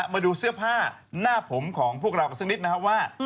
มาดูเสื้อผ้าหน้าผมของพวกเรากันสักนิดนะครับว่า